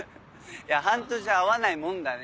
いや半年会わないもんだね。